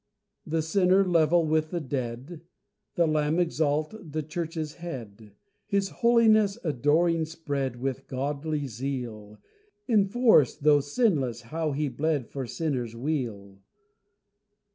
The sinner level with the dead, The Lamb exalt, the Church's Head, His holiness, adoring spread, With godly zeal: Enforce, though sinless, how He bled For sinners' weal.